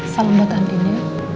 salam buat andin ya